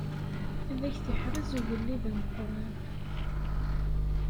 Ad ak-t-iḥrez ugellid ameqqran.